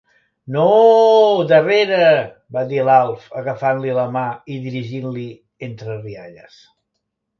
Nooo, darrere! —va dir l'Alf, agafant-li la mà i dirigint-li, entre rialles.